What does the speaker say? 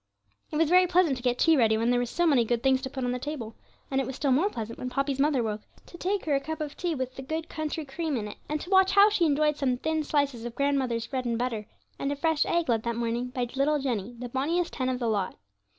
It was very pleasant to get tea ready, when there were so many good things to put on the table, and it was still more pleasant when Poppy's mother woke, to take her a cup of tea with the good country cream in it, and to watch how she enjoyed some thin slices of grandmother's bread and butter, and a fresh egg laid that morning by 'little Jenny, the bonniest hen of the lot.'